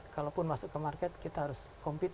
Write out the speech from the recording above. kalau pun masuk ke market kita harus compete